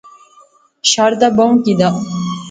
شاردا بہوں کی دا